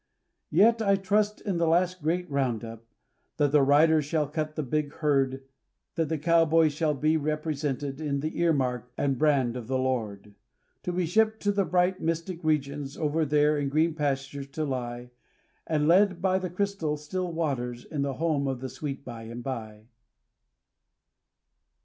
Yet I trust in the last great round up When the rider shall cut the big herd, That the cowboys shall be represented In the earmark and brand of the Lord, To be shipped to the bright, mystic regions Over there in green pastures to lie, And led by the crystal still waters In that home of the sweet by and by.